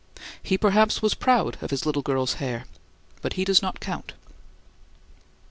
He, perhaps, was proud of his little girl's hair. But he does not count.